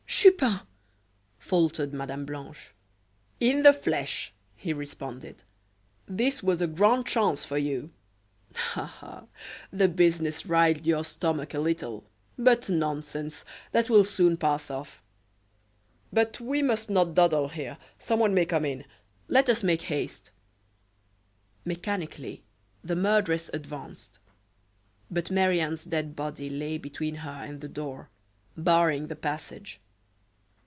"Chupin!" faltered Mme. Blanche. "In the flesh," he responded. "This was a grand chance for you. Ah, ha! The business riled your stomach a little, but nonsense! that will soon pass off. But we must not dawdle here; someone may come in. Let us make haste." Mechanically the murderess advanced; but Marie Anne's dead body lay between her and the door, barring the passage.